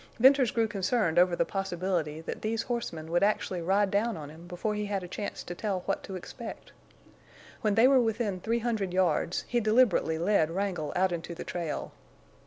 Venters grew concerned over the possibility that these horsemen would actually ride down on him before he had a chance to tell what to expect. When they were within three hundred yards he deliberately led Wrangle out into the trail.